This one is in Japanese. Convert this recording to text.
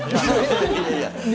いやいや。